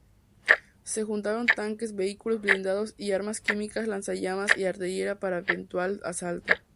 Se juntaron tanques, vehículos blindados, armas químicas, lanzallamas y artillería para el eventual asalto.